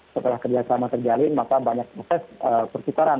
setelah kerjasama terjalin maka banyak proses pertukaran